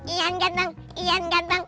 ian ganteng ian ganteng